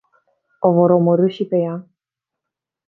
O vor omorî și pe ea?